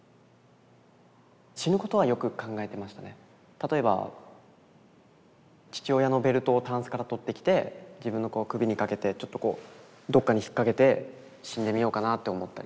例えば父親のベルトをタンスから取ってきて自分の首にかけてちょっとこうどっかに引っ掛けて死んでみようかなって思ったり。